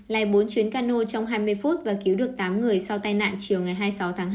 lèn bốn chuyến cano trong hai mươi phút và cứu được tám người sau tai nạn chiều ngày hai mươi sáu tháng hai